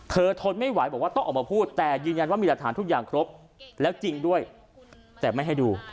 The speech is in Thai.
ทนไม่ไหวบอกว่าต้องออกมาพูดแต่ยืนยันว่ามีหลักฐานทุกอย่างครบแล้วจริงด้วยแต่ไม่ให้ดู